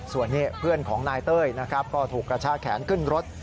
ส่วนเพื่อนของนายเต้ยก็ถูกกระชากแขนขึ้นรถ